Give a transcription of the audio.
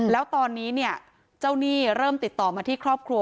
แล้วตอนนี้เนี่ยเจ้าหนี้เริ่มติดต่อมาที่ครอบครัว